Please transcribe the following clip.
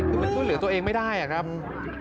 คือมันช่วยเหลือตัวเองไม่ได้อะครับ